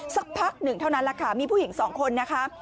สักพักหนึ่งเท่านั้นแหละค่ะมีผู้หญิงสองคนนะคะ